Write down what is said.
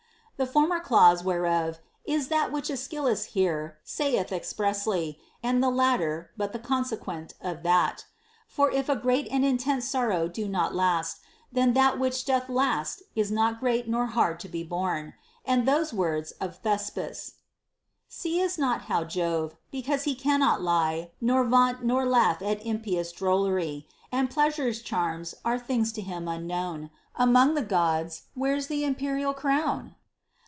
The former clause whereof is that which Aes chylus here saith expressly, and the latter but the conse quent of that. For if a great and intense sorrow do not last, then that which doth last is not great nor hard to be borne. And those words of Thespis, Seest not how Jove, — because he cannot lie Nor vaunt nor laugh at impious drollery, And pleasure's charms are things to him unknown, — Among the Gods wears the imperial crown